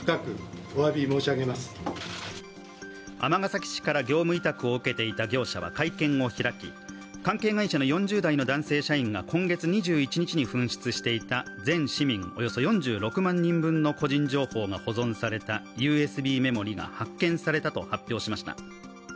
尼崎市から業務委託を受けていた業者は会見を開き関係会社の４０代の男性社員が今月２１日に紛失していた全市民およそ４６万人分の個人情報が保存されたＵＳＢメモリーが発見されたと発表しました。